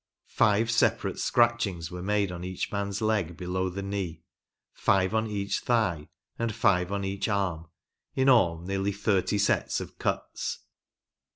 "Five separate scratchings were made on each man's leg below the knee, five on each thigh, and five on each arm, in all nearly thirty sets of cuts.